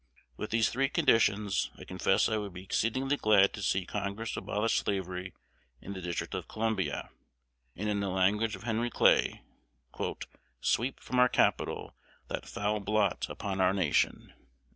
With these three conditions, I confess I would be exceedingly glad to see Congress abolish slavery in the District of Columbia, and, in the language of Henry Clay, "sweep from our capital that foul blot upon our nation."